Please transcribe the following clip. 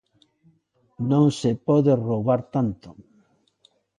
Non se pode roubar tanto.